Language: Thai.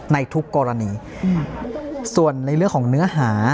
ในทุกกรณีส่วนในเรื่องของเนื้อหา